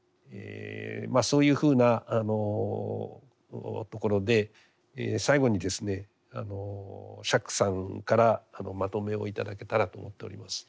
まあそういうふうなところで最後にですね釈さんからまとめを頂けたらと思っております。